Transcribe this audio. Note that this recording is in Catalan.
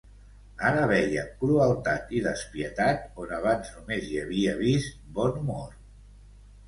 Ara veia crueltat i despietat on abans només hi havia vist bon humor.